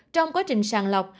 trong quá trình sàn lọc